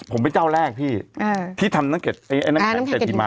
ผมเป็นเจ้าแรกพี่ที่ทำน้ำแข็งเกรดหิมะ